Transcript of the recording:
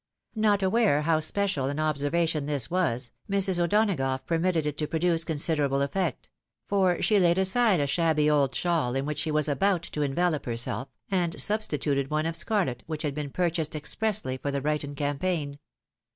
Not aware how special an observation this was, Mrs. O'Donagough permitted it to produce considerable effect ; for she laid aside a shabby old shawl in which she was about to envelop herself, and substituted one of scarlet, which had been purchased expressly for the Brighton campaign.